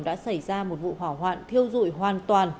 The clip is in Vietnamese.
đã xảy ra một vụ hỏa hoạn thiêu dụi hoàn toàn